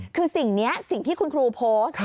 คือสิ่งนี้สิ่งที่คุณครูโพสต์